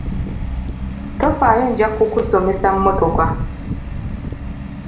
Tofaayo nja kukusomesa mmotoka.